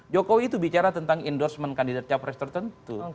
jokowi itu bicara tentang endorsement kandidat capres tertentu